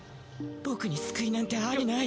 僕に救いなんてありはしない。